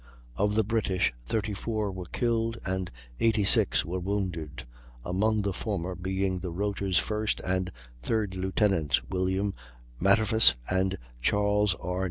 Of the British, 34 were killed and 86 were wounded; among the former being the Rota's first and third lieutenants, William Matterface and Charles R.